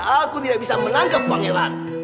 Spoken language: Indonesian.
aku tidak bisa menangkap panggilan